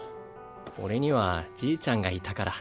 俺にはじいちゃんがいたから。